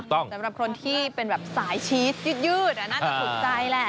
สำหรับคนที่เป็นแบบสายชีสยืดน่าจะถูกใจแหละ